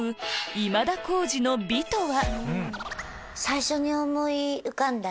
今田耕司の「美」とは⁉